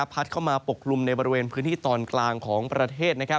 เข้ามาปกกลุ่มในบริเวณพื้นที่ตอนกลางของประเทศ